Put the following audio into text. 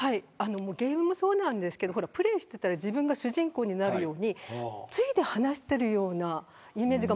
ゲームもそうなんですけどプレーしていたら自分が主人公になるように対で話しているようなイメージが。